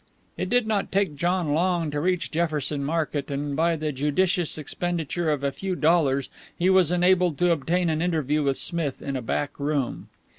It did not take John long to reach Jefferson Market, and by the judicious expenditure of a few dollars he was enabled to obtain an interview with Smith in a back room.